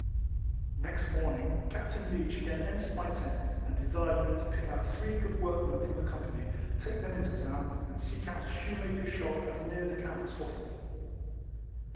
Next morning Captain Leech again en tered my tent, and desired me to pick out three good workmen from the company, take them into the town, and seek out a shoemaker's shop as near the camp as pos sible.